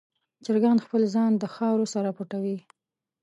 چرګان خپل ځان د خاورو سره پټوي.